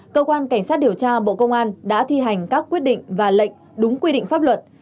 cơ quan cảnh sát điều tra bộ công an đã thi hành các quyết định và lệnh đúng quy định pháp luật